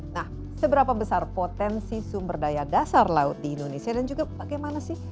nah seberapa besar potensi sumber daya dasar laut di indonesia dan juga bagaimana sih